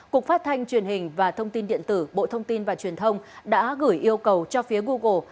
cục phát thanh truyền hình và thông tin điện tử bộ thông tin và truyền thông đã gửi yêu cầu cho phía google